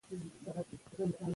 خپل کلتور مه هېروئ.